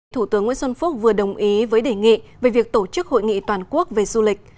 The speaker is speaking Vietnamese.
thủ tướng nguyễn xuân phúc vừa đồng ý với đề nghị về việc tổ chức hội nghị toàn quốc về du lịch